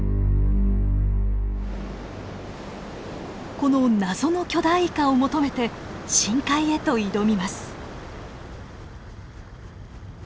この謎の巨大イカを求めて深海へと挑みます。